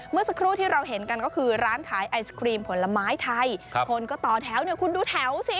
เมื่อสักครู่ที่เราเห็นกันก็คือร้านขายไอศครีมผลไม้ไทยคนก็ต่อแถวเนี่ยคุณดูแถวสิ